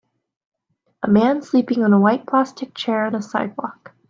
A man sleeping on a white plastic chair on a sidewalk